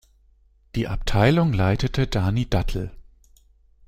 Die Abteilung leitete Dany Dattel.